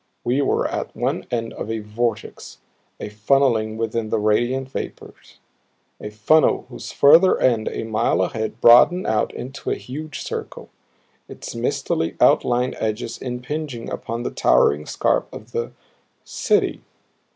We were at one end of a vortex, a funneling within the radiant vapors; a funnel whose further end a mile ahead broadened out into a huge circle, its mistily outlined edges impinging upon the towering scarp of the city.